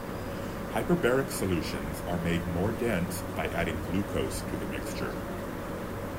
Hyperbaric solutions are made more dense by adding glucose to the mixture.